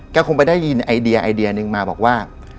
แกคงไปได้ยินไอเดียหนึ่งมาบอกว่า